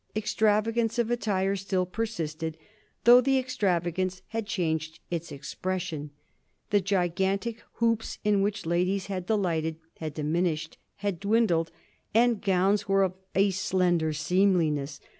Extravagance of attire still persisted, though the extravagance had changed its expression. The gigantic hoops in which ladies had delighted had diminished, had dwindled, and gowns were of a slender seemliness.